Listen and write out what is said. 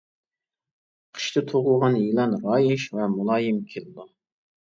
قىشتا تۇغۇلغان يىلان رايىش ۋە مۇلايىم كېلىدۇ.